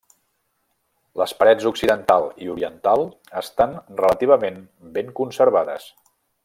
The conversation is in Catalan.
Les parets occidental i oriental estan relativament ben conservades.